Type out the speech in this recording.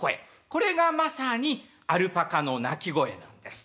これがまさにアルパカの鳴き声なんです。